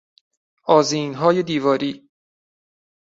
آذینهای دیواری